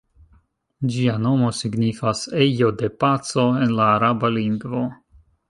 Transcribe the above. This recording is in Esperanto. Ĝia nomo signifas "ejo de paco" en la araba lingvo.